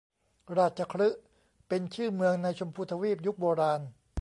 ราชคฤห์ เป็นชื่อเมืองในชมพูทวีปยุคโบราณ